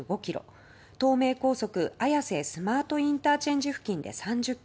東名高速綾瀬スマートＩＣ付近で３０ｋｍ